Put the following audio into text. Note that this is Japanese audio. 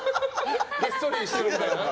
げっそりしてるみたいな？